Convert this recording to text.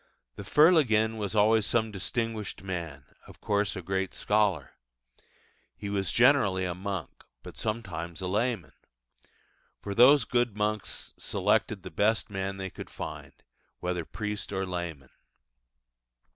The Fer leginn was always some distinguished man of course a great scholar. He was generally a monk, but sometimes a layman; for those good monks selected the best man they could find, whether priest or layman.